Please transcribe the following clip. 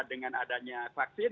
dengan adanya vaksin